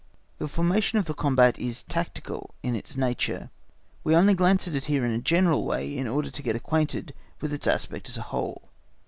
The formation of the combat is tactical in its nature; we only glance at it here in a general way in order to get acquainted with it in its aspect as a whole.